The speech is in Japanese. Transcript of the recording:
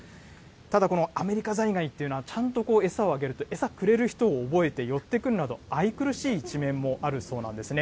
ただこの、アメリカザリガニというのは、ちゃんと餌をあげると、餌くれる人を覚えて寄ってくるなど、愛くるしい一面もあるそうなんですね。